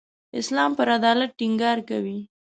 اسلام پر عدالت ټینګار کوي.